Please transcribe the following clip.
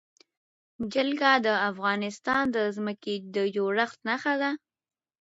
جلګه د افغانستان د ځمکې د جوړښت نښه ده.